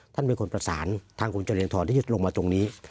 ท่านเป็นคนประสานทางคุณเจริญทรที่ยึดลงมาตรงนี้